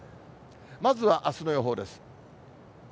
まずはあすの予報です。